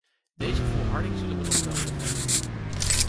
Deze volharding zullen we nog nodig hebben.